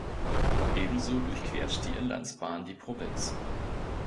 Ebenso durchquert die Inlandsbahn die Provinz.